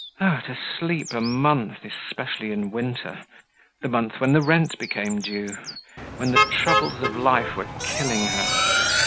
Oh! to sleep a month, especially in winter, the month when the rent became due, when the troubles of life were killing her!